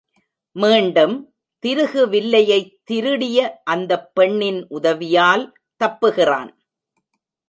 மீண்டும் திருகு வில்லையைத் திருடிய அந்தப் பெண்ணின் உதவியால் தப்புகிறான்.